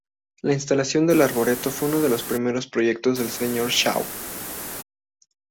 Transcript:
La instalación del Arboreto fue uno de los primeros proyectos del señor Shaw.